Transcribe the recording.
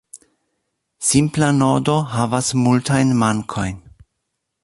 Simpla nodo havas multajn mankojn.